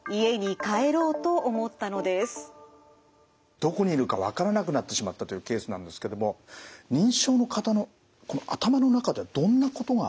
どこにいるかわからなくなってしまったというケースなんですけども認知症の方の頭の中ではどんなことが起きてるんですかね